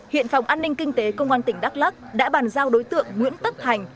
hiện phòng an ninh kinh tế công an tỉnh đắk lắc đã bàn giao đối tượng nguyễn tất thành